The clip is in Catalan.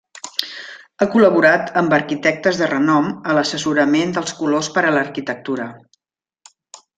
Ha col·laborat amb arquitectes de renom a l'assessorament dels colors per a l'arquitectura.